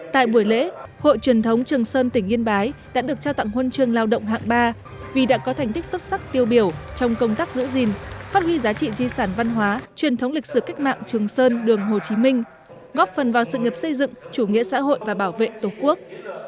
tại buổi lễ hội truyền thống trường sơn tỉnh yên bái đã được trao tặng huân chương lao động hạng ba vì đã có thành tích xuất sắc tiêu biểu trong công tác giữ gìn phát huy giá trị di sản văn hóa truyền thống lịch sử cách mạng trường sơn đường hồ chí minh góp phần vào sự nghiệp xây dựng chủ nghĩa xã hội và bảo vệ tổ quốc